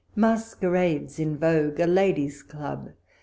... MASQUERADES / V VOGUE~A LADY'S CLUB.